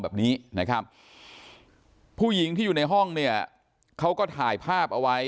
แบบนี้นะครับผู้หญิงที่อยู่ในห้องเนี่ยเขาก็ถ่ายภาพเอาไว้